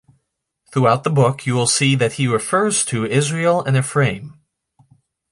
Throughout the book you will see that he refers to Israel and Ephraim.